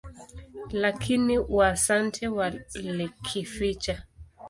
Lakini Waasante walikificha.